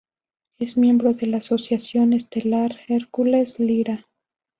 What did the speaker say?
Es miembro de la Asociación estelar Hercules-Lyra.